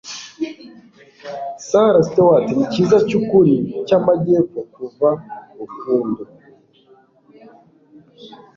Sarah Stewart nicyiza cyukuri cyamajyepfo kuva Rukundo,